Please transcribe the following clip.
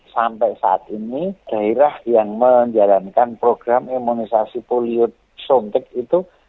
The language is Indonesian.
sampai saat ini daerah yang menjalankan program imunisasi poliosuntik itu